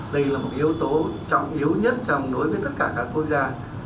đây là một yếu tố trọng yếu nhất trong đối với tất cả các quốc gia